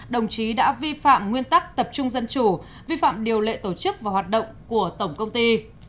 đồng chí đã vi phạm nguyên tắc tập trung dân chủ vi phạm điều lệ tổ chức và hoạt động của tổng công ty